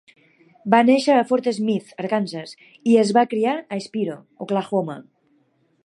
Va néixer a Fort Smith, Arkansas, i es va criar a Spiro, Oklahoma.